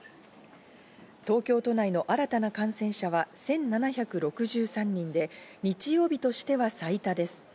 東京都内の新たな感染者は１７６３人で、日曜日としては最多です。